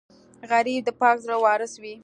غریب د پاک زړه وارث وي